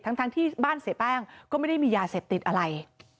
ทั้งที่บ้านเสียแป้งก็ไม่ได้มียาเสพติดอะไร